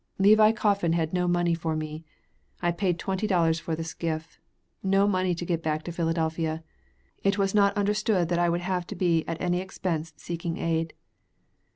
Levi Coffin had no money for me. I paid twenty dollars for the skiff. No money to get back to Philadelphia. It was not understood that I would have to be at any expense seeking aid.